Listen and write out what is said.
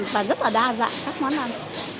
và rất là đa dạng các món ăn